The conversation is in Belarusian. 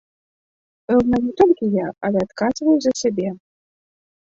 Пэўна, не толькі я, але адказваю за сябе.